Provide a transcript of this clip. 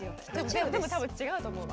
でもでも多分違うと思うわ。